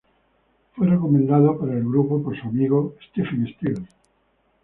Fue recomendado para el grupo por su amigo Stephen Stills.